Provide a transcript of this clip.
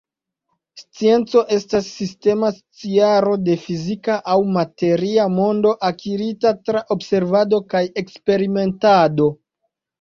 Scienco estas sistema sciaro de fizika aŭ materia mondo akirita tra observado kaj eksperimentado.